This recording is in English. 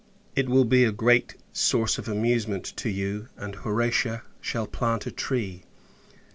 It will be a great source of amusement to you; and Horatia shall plant a tree.